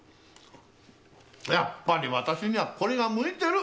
やっぱりわたしにはこれが向いてる。